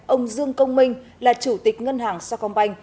ông dương công minh là chủ tịch ngân hàng sao công banh